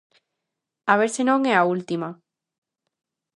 A ver se non é a última.